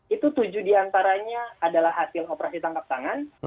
itu tujuh diantaranya adalah hasil operasi tangkap tangan